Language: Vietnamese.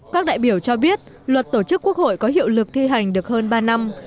các đại biểu cho biết luật tổ chức quốc hội có hiệu lực thi hành được hơn ba năm